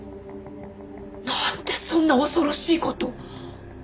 なんでそんな恐ろしい事！